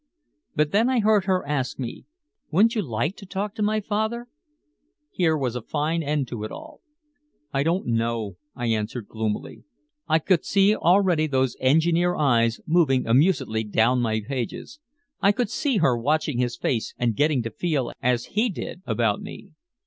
But then I heard her ask me, "Wouldn't you like to talk to my father?" Here was a fine end to it all. "I don't know," I answered gloomily. I could see already those engineer eyes moving amusedly down my pages. I could see her watching his face and getting to feel as he did about me.